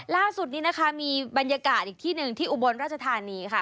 ล่าสุดนี้นะคะมีบรรยากาศอีกที่หนึ่งที่อุบลราชธานีค่ะ